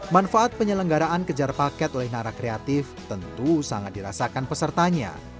manfaat penyelenggaraan kejar paket oleh narak kreatif tentu sangat dirasakan pesertanya